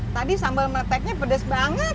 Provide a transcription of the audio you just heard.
tadi sambal mateknya pedes banget